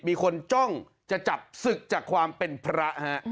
มีคนจะจ้องจับศึกจากภาพเป็นพระ